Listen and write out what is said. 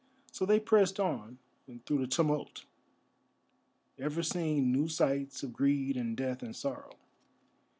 So they pressed on through the tumult, ever seeing new sights of greed and death and sorrow.